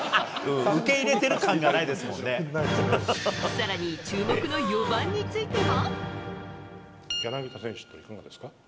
更に注目の４番については。